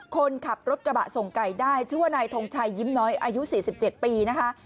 คนขับรถกระบะส่งไก่ได้ชื่อว่านายทงชัยยิ้มน้อยอายุ๔๗ปีนะคะ